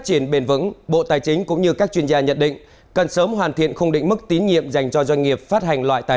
theo bộ tài chính nguyên mô thị trường trái phiếu doanh nghiệp từ cuối năm hai nghìn hai mươi một